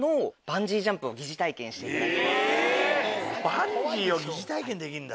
バンジーを疑似体験できんだ。